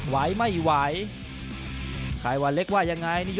ไหวไม่ไหวใครวันเล็กว่ายังไง